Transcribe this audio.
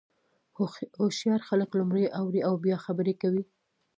هوښیار خلک لومړی اوري او بیا خبرې کوي.